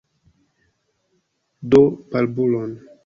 Do barbulon!